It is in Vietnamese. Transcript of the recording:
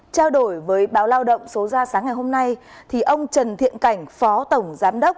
trao đổi với báo lao động số ra sáng ngày hôm nay ông trần thiện cảnh phó tổng giám đốc